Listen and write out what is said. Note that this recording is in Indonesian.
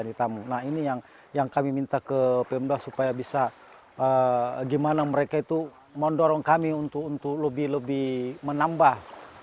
nah ini yang kami minta ke pemda supaya bisa gimana mereka itu mendorong kami untuk lebih lebih menambah